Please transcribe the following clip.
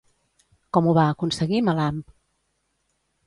Com ho va aconseguir Melamp?